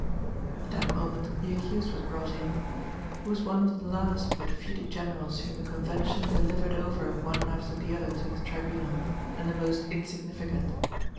"_ At that moment the accused was brought in. He was one of the last of the defeated Generals whom the Convention delivered over one after the other to the Tribunal, and the most insignificant.